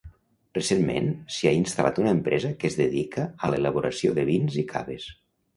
Recentment s'hi ha instal·lat una empresa que es dedica a l'elaboració de vins i caves.